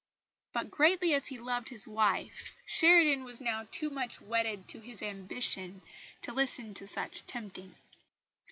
But greatly as he loved his wife, Sheridan was now too much wedded to his ambition to listen to such tempting.